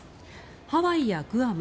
ハワイやグアム